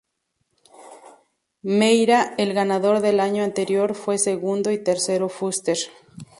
Meira el ganador del año anterior fue segundo y tercero Fuster.